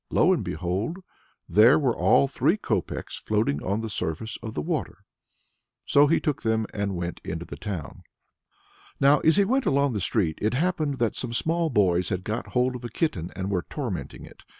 Lo and behold! there were all three copecks floating on the surface of the water. So he took them and went into the town. Now as he went along the street, it happened that some small boys had got hold of a kitten and were tormenting it.